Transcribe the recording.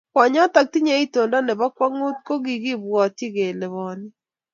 kwonyoto tinyei itondo nebo kwong'ut ko kikibwotyi kele bonin